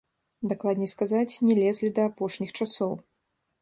Дакладней сказаць, не лезлі да апошніх часоў.